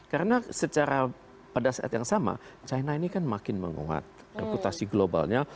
karena secara pada saat yang sama cina ini kan makin menguat reputasi globalnya